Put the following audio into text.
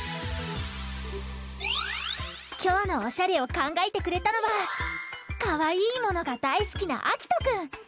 きょうのおしゃれをかんがえてくれたのはかわいいものがだいすきなあきとくん。